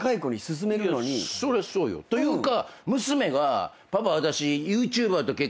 そりゃそうよ。というか。